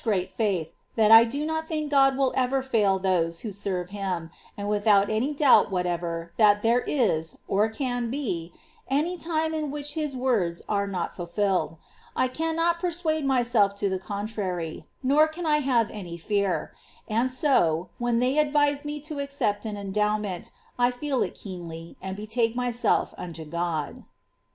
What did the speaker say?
387 great faith, that I do not think God will ever fail those who serve Him, and without any doubt whatever that there is, or can be, any time in which His words are not fulfilled : I cannot persuade myself to the contrary, nor can I have any fear ; and so, when they advise me to accept an endowment, I feel it keenly, and betake myself unto God.